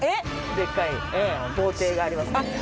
でっかい豪邸があります。